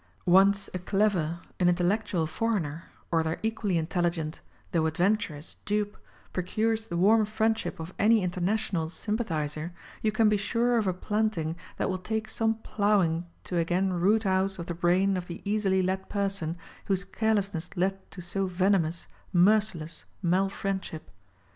Once a clever, an intellectual foreigner, or their equally intelligent (though adventurous dupe) procures the warm friendship of any international sympa thizer you can be sure of a planting that will take some ploughing to again root out of the brain of the easily led person whose carelessness led to so venomous, merciless mal friendship.